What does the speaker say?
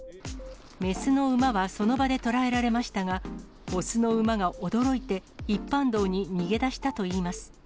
雌の馬はその場でとらえられましたが、雄の馬が驚いて、一般道に逃げ出したといいます。